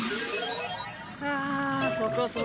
ああそこそこ。